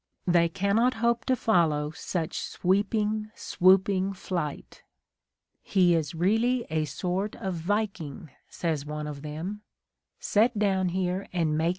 They cannot hope to follow such sweeping, swooping flight. "He is really a sort of Viking," says one of them, "set down here and making THE KNIGHT AND MARGAEET.